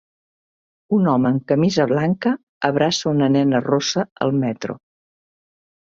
Un home amb camisa blanca abraça una nena rossa al metro.